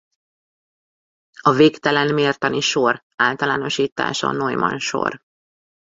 A végtelen mértani sor általánosítása a Neumann-sor.